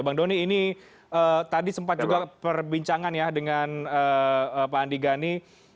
bang doni ini tadi sempat juga perbincangan ya dengan pak andi gani